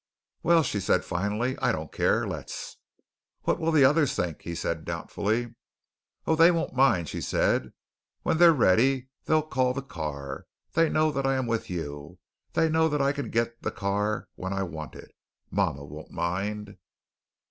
"Well," she said finally, "I don't care. Let's." "What will the others think?" he said doubtfully. "Oh, they won't mind," she said. "When they're ready, they'll call the car. They know that I am with you. They know that I can get the car when I want it. Mama won't mind."